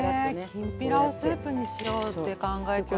きんぴらをスープにしようって考えたなんて。